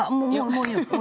もういいの？